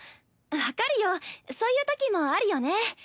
分かるよそういうときもあるよね。